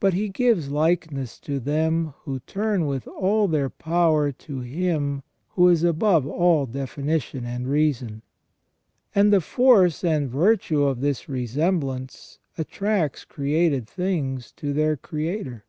But He gives likeness to them who turn with all their power to Him who is above all definition and reason ; and the force and virtue of this resemblance attracts created things to their Creator.